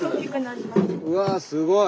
うわすごい！